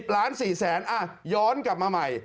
ล้าน๔แสนย้อนกลับมาใหม่